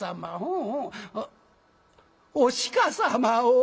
おお鹿様を？